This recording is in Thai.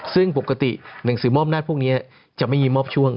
ซึ่งปกติหนังสือมอบอำนาจพวกนี้จะไม่มีมอบช่วง